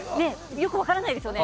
よく分からないですよね。